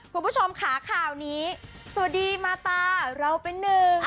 คุณผู้ชมค่ะข่าวนี้สวัสดีมาตาเราเป็นหนึ่ง